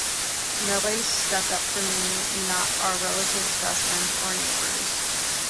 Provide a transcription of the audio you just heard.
Nobody stuck up for me-not our relatives, best friends or neighbors.